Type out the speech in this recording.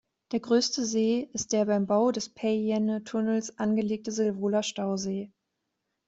Der größte See ist der beim Bau des Päijänne-Tunnels angelegte Silvola-Stausee.